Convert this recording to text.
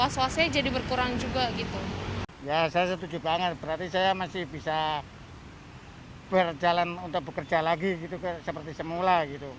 saya setuju banget berarti saya masih bisa berjalan untuk bekerja lagi seperti semula gitu